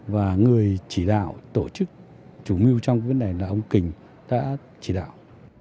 và người chỉ đạo tổ chức chủ mưu trong vấn đề là ông kình đã chỉ đạo